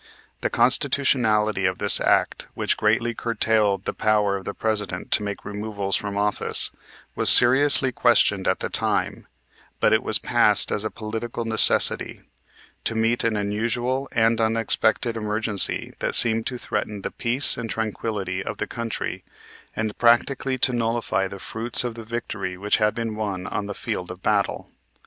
The constitutionality of this act, which greatly curtailed the power of the President to make removals from office, was seriously questioned at the time, but it was passed as a political necessity, to meet an unusual and unexpected emergency that seemed to threaten the peace and tranquillity of the country and practically to nullify the fruits of the victory which had been won on the field of battle.